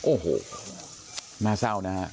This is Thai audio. โอ้โหน่าเศร้านะฮะ